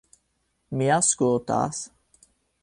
Mi aŭskultas...